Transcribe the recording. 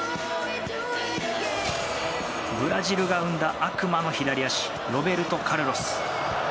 ブラジルが生んだ悪魔の左足ロベルト・カルロス。